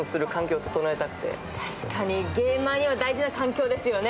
確かにゲーマーには大事な環境ですよね。